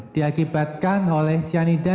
diakibatkan oleh cyanide